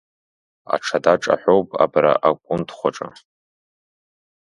Аҽада ҿаҳәоуп абра акәынҭхәаҿы.